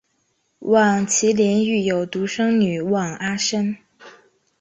望麒麟育有独生女望阿参。